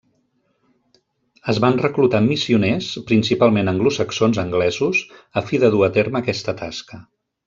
Es van reclutar missioners, principalment anglosaxons anglesos a fi de dur a terme aquesta tasca.